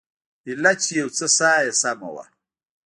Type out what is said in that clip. ايله چې يو څه ساه يې سمه وه.